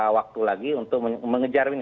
waktu lagi untuk mengejar ini